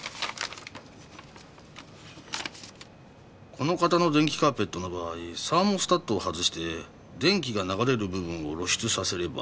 この型の電気カーペットの場合サーモスタットを外して電気が流れる部分を露出させれば。